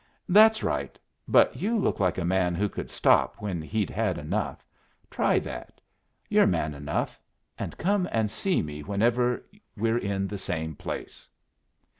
"That's right. But you look like a man who could stop when he'd had enough. Try that. You're man enough and come and see me whenever we're in the same place."